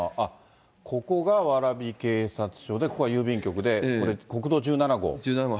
ここが蕨警察署で、ここが郵便局で、国道１７号。